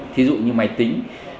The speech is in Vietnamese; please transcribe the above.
thí dụ như máy tính